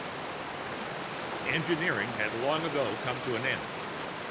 III Engineering had long ago come to an end.